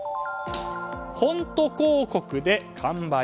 ホント広告で完売。